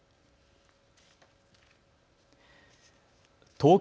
東京